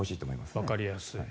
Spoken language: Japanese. わかりやすい。